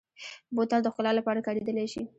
بوتل د ښکلا لپاره کارېدلی شي.